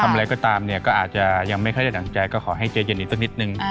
อะไรก็ตามเนี่ยก็อาจจะยังไม่ค่อยได้ดั่งใจก็ขอให้ใจเย็นอีกสักนิดนึง